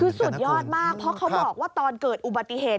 คือสุดยอดมากเพราะเขาบอกว่าตอนเกิดอุบัติเหตุ